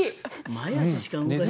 前足しか動かない。